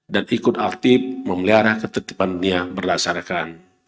dan ikut aktif memelihara ketetipan dunia berdasarkan